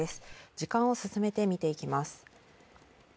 時間を進めて見ていきます。